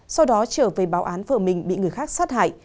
sau đó trở về báo án vợ mình bị người khác sát hại